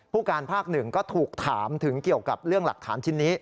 ผู้การภาคหนึ่งก็ถูกถามถึงเกี่ยวกับเรื่องหลักฐานชิ้นนี้